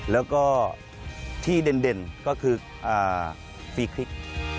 แล้วก็ที่เด่นก็คือฟรีคลิก